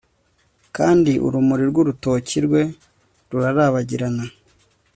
Kandi urumuri rwurutoki rwe rurabagirana